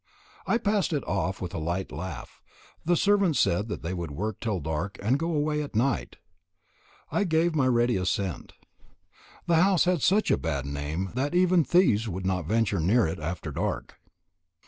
I passed it off with a light laugh. The servants said that they would work till dark and go away at night. I gave my ready assent. The house had such a bad name that even thieves would not venture near it after dark.